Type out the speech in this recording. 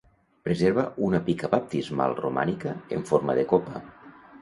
Preserva una pica baptismal romànica en forma de copa.